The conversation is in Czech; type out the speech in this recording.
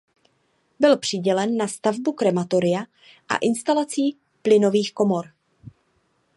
Byl přidělen na stavbu krematoria a instalaci plynových komor.